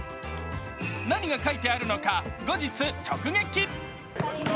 何が書いてあるのか、後日直撃。